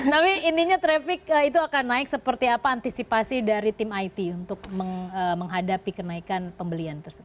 tapi intinya traffic itu akan naik seperti apa antisipasi dari tim it untuk menghadapi kenaikan pembelian tersebut